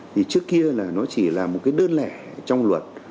thì trước kia là nó chỉ là một cái đơn lẻ trong luật